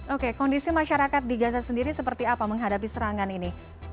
oke kondisi masyarakat di gaza sendiri seperti apa menghadapi serangan ini